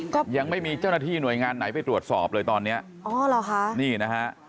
ก็ยังไม่มีเจ้าหน้าที่หน่วยงานไหนไปตรวจสอบเลยตอนเนี้ยอ๋อเหรอคะนี่นะฮะ